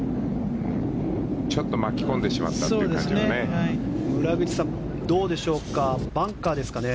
ちょっと巻き込んでしまったという感じでしょうね。